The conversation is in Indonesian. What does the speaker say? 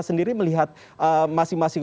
sendiri melihat masing masing